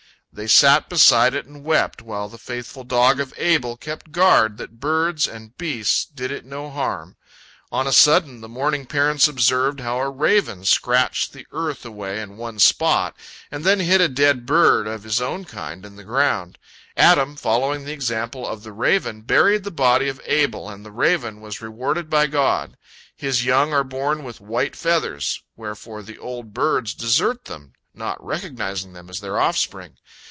They sat beside it and wept, while the faithful dog of Abel kept guard that birds and beasts did it no harm. On a sudden, the mourning parents observed how a raven scratched the earth away in one spot, and then hid a dead bird of his own kind in the ground. Adam, following the example of the raven, buried the body of Abel, and the raven was rewarded by God. His young are born with white feathers, wherefore the old birds desert them, not recognizing them as their offspring.